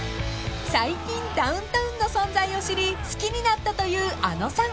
［最近ダウンタウンの存在を知り好きになったというあのさん］